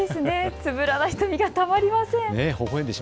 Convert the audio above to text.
つぶらな瞳がたまりません。